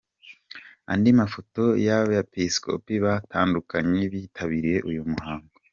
Andi mafoto y’abepisikopi batandukanye bitabiriye uyu muhango.